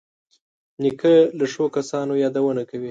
نیکه له ښو کسانو یادونه کوي.